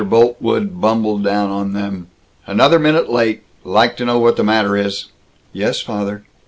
Boltwood bumbled down on them: "Another minute late! Like to know what the matter is!" "Yes, father!"